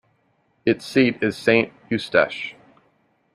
Its seat is Saint-Eustache.